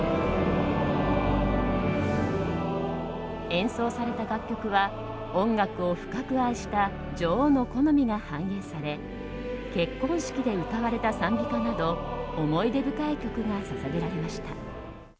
演奏された楽曲は音楽を深く愛した女王の好みが反映され結婚式で歌われた讃美歌など思い出深い曲が捧げられました。